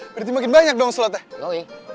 berarti makin banyak dong slotnya